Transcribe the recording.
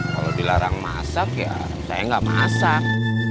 kalau dilarang masak ya saya nggak masak